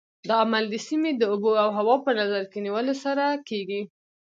دا عمل د سیمې د اوبو او هوا په نظر کې نیولو سره کېږي.